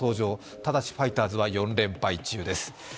ただしファイターズは４連敗中です